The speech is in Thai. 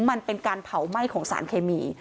มันเป็นการเผาไหม้ของสารเคมี